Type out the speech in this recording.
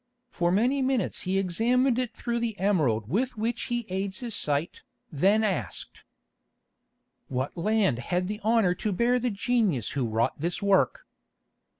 For many minutes he examined it through the emerald with which he aids his sight, then asked: "'What land had the honour to bear the genius who wrought this work?